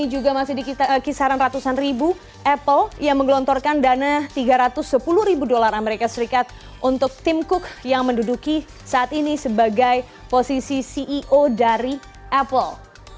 ini juga masih di kisaran ratusan ribu apple yang menggelontorkan dana tiga ratus sepuluh ribu dolar amerika serikat untuk tim cook yang menduduki saat ini sebagai posisi ceo dari apple